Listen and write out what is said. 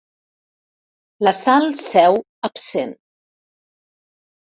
La Sal seu absent.